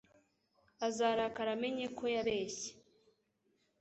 Azarakara amenye ko yabeshye.